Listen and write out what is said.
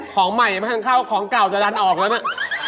ของใหม่มาทางเข้าแต่ของเก่าจะดันออกแล้วไหม